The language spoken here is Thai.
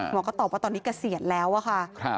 หมอก็ตอบว่าตอนนี้เกษียณแล้วอะค่ะ